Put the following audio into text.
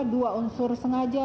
dua unsur sengaja